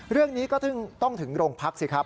เรื่องนี้ก็ต้องถึงโรงพักสิครับ